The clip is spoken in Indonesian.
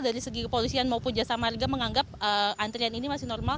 dari segi kepolisian maupun jasa marga menganggap antrian ini masih normal